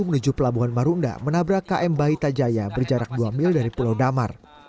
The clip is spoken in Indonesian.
menuju pelabuhan marunda menabrak km bahita jaya berjarak dua mil dari pulau damar